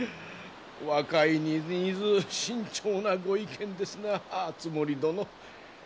若いに似ず慎重なご意見ですな敦盛殿。